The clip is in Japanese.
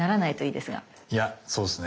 いやそうですね。